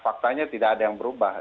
faktanya tidak ada yang berubah